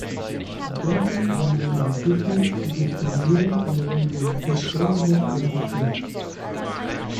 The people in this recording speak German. Studenten haben gegen Rassismus und Diskriminierung an der Universität Stellenbosch demonstriert.